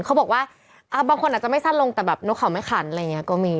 เขาบอกว่าบางคนอาจจะไม่สั้นลงแต่แบบนกเขาไม่ขันอะไรอย่างนี้ก็มี